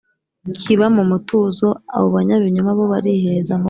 kiba mu mutuzo, abo banyabinyoma bo bariheza. mu byo